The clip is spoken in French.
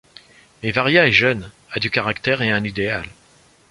Mais Varia est jeune, a du caractère et un idéal.